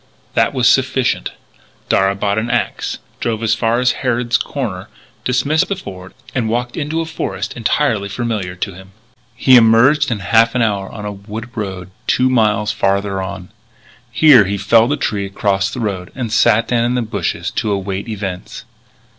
That was sufficient. Darragh bought an axe, drove as far as Harrod's Corners, dismissed the Ford, and walked into a forest entirely familiar to him. He emerged in half an hour on a wood road two miles farther on. Here he felled a tree across the road and sat down in the bushes to await events.